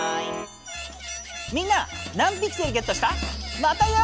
みんな何ピクセルゲットした？